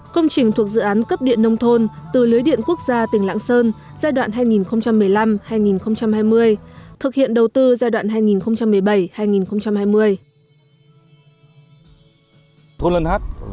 công trình thuộc dự án cấp điện nông thôn từ lưới điện quốc gia tỉnh lạng sơn giai đoạn hai nghìn một mươi năm hai nghìn hai mươi thực hiện đầu tư giai đoạn hai nghìn một mươi bảy hai nghìn hai mươi